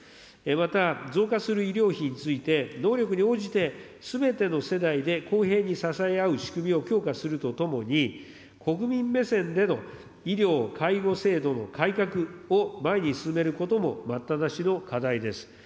また、増加する医療費について、能力に応じて、すべての世代で公平に支え合う仕組みを強化するとともに、国民目線での医療、介護制度の改革を前に進めることも、待ったなしの課題です。